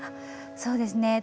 そうですね